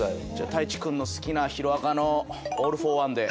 Ｔａｉｃｈｉ君の好きな『ヒロアカ』のオール・フォー・ワンで。